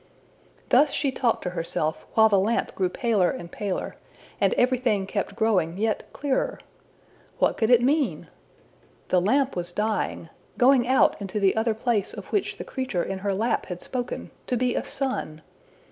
Thus she talked to herself while the lamp grew paler and paler, and everything kept growing yet clearer. What could it mean? The lamp was dying going out into the other place of which the creature in her lap had spoken, to be a sun!